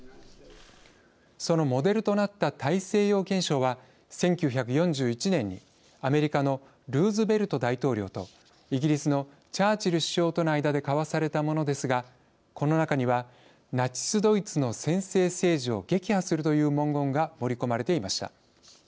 そのモデルとなった大西洋憲章は１９４１年にアメリカのルーズベルト大統領とイギリスのチャーチル首相との間で交わされたものですがこの中には「ナチスドイツの専制政治を撃破する」という文言が盛り込まれていました。